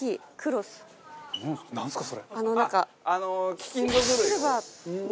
貴金属類を。